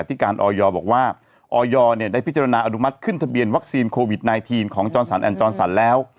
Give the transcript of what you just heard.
ที่การออยอร์บอกว่าออยอร์เนี่ยได้พิจารณาอดุมัติขึ้นทะเบียนวัคซีนโควิดไนทีนของจรสรรแอนด์จรสรรแล้ว